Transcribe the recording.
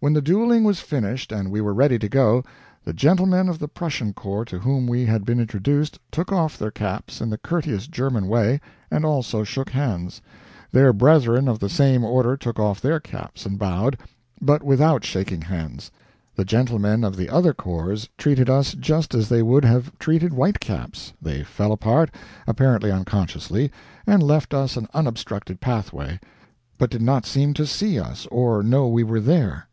When the dueling was finished and we were ready to go, the gentlemen of the Prussian Corps to whom we had been introduced took off their caps in the courteous German way, and also shook hands; their brethren of the same order took off their caps and bowed, but without shaking hands; the gentlemen of the other corps treated us just as they would have treated white caps they fell apart, apparently unconsciously, and left us an unobstructed pathway, but did not seem to see us or know we were there.